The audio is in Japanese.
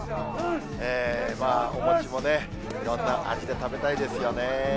お餅もね、いろんな味で食べたいですよね。